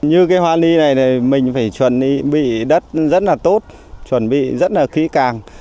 như cái hoa ly này mình phải chuẩn bị đất rất là tốt chuẩn bị rất là kỹ càng